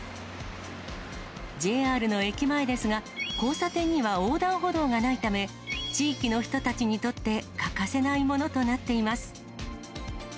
ＪＲの駅前ですが、交差点には横断歩道がないため、地域の人たちにとって欠かせないものとなっています。